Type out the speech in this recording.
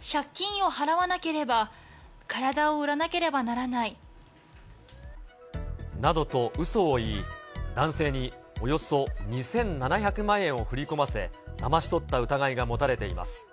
借金を払わなければ体を売らなどとうそを言い、男性におよそ２７００万円を振り込ませ、だまし取った疑いが持たれています。